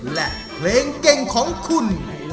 และเพลงเก่งของคุณ